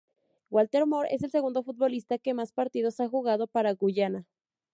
Walter Moore es el segundo futbolista que más partidos ha jugado para Guyana.